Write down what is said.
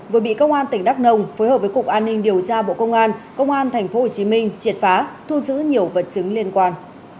vừa bị công an tỉnh đắk nông phối hợp với cục an ninh điều tra bộ công an công an thành phố hồ chí minh triệt phá thu giữ nhiều vật chứng liên quan